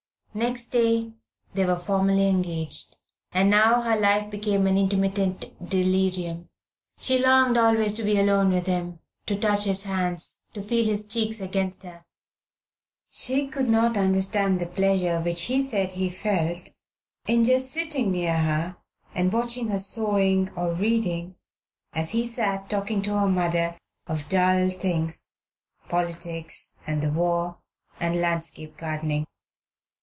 Next day they were formally engaged, and now her life became an intermittent delirium. She longed always to be alone with him, to touch his hands, to feel his cheek against hers. She could not understand the pleasure which he said he felt in just sitting near her and watching her sewing or reading, as he sat talking to her mother of dull things politics, and the war, and landscape gardening.